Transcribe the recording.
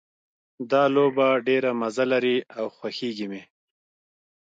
دا لوبه ډېره مزه لري او خوښیږي مې